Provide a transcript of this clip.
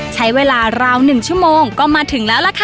ใช้เวลาราว๑ชั่วโมงก็มาถึงแล้วล่ะค่ะ